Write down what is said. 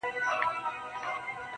• ښكلو ته كاته اكثر.